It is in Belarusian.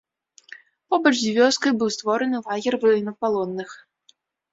Побач з вёскай быў створаны лагер ваеннапалонных.